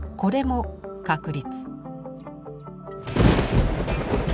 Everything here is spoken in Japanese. これも確率。